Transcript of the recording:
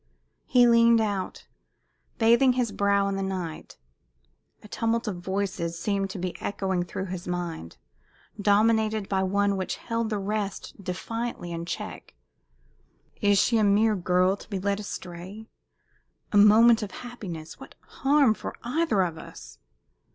He leaned out, bathing his brow in the night. A tumult of voices seemed to be echoing through his mind, dominated by one which held the rest defiantly in check. "Is she a mere girl, to be 'led astray'? A moment of happiness what harm? for either of us?"